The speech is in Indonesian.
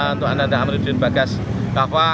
untuk ananda amiruddin bagas kafa